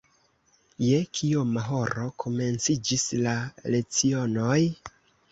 Je kioma horo komenciĝis la lecionoj?